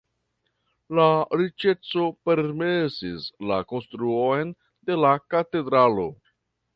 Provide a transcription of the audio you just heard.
La riĉeco permesis la konstruon de la katedralo.